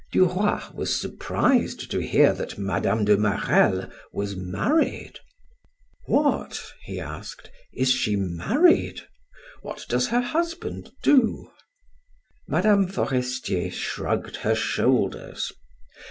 Duroy was surprised to hear that Mme. de Marelle was married. "What," he asked, "is she married? What does her husband do?" Mme. Forestier shrugged her shoulders.